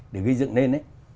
để gây dựng lên